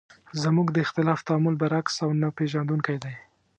زموږ د اختلاف تعامل برعکس او نه پېژندونکی دی.